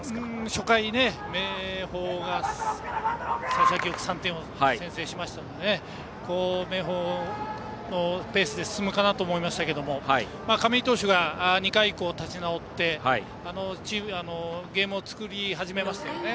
初回に明豊が幸先よく３点を先制しましたので明豊のペースで進むかなと思いましたけど亀井投手が２回以降、立ち直ってゲームを作り始めましたよね。